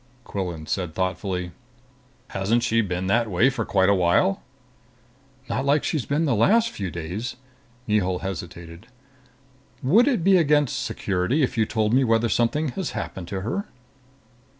Quillan said thoughtfully, "Hasn't she been that way for quite a while?" "Not like she's been the last few days." Mihul hesitated. "Would it be against security if you told me whether something has happened to her?"